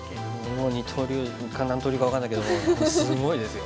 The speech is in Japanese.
もう二刀流か何刀流か分かんないけどもすごいですよ。